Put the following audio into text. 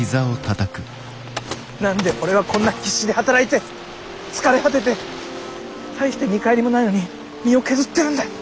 何で俺はこんな必死で働いて疲れ果てて大して見返りもないのに身を削ってるんだ。